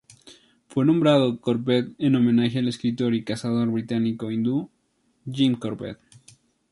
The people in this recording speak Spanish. Fue nombrado Corbett en homenaje al escritor y cazador británico hindú Jim Corbett.